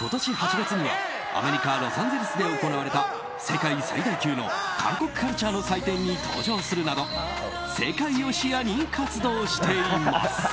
今年８月にはアメリカ・ロサンゼルスで行われた、世界最大級の韓国カルチャーの祭典に登場するなど世界を視野に活動しています。